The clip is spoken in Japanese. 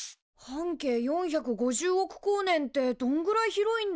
半径４５０億光年ってどんぐらい広いんだろ？